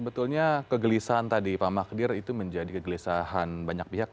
sebetulnya kegelisahan tadi pak magdir itu menjadi kegelisahan banyak pihak